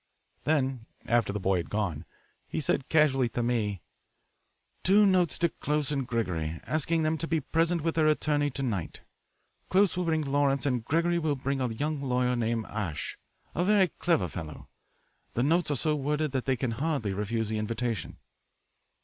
Then, after the boy had gone, he said casually to me: "Two notes to Close and Gregory, asking them to be present with their attorneys to night. Close will bring Lawrence, and Gregory will bring a young lawyer named Asche, a very clever fellow. The notes are so worded that they can hardly refuse the invitation."